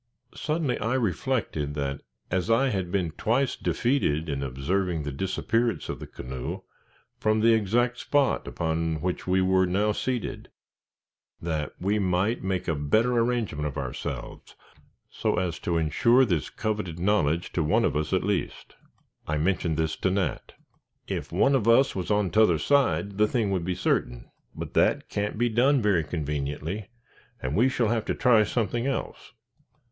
Suddenly I reflected that as I had been twice defeated in observing the disappearance of the canoe, from the exact spot upon which we were now seated, that we might make a better arrangement of ourselves, so as to insure this coveted knowledge to one of us at least. I mentioned this to Nat. "If one of us was on t'other side, the thing would be certain, but that can't be done very conveniently, and we shall have to try something else."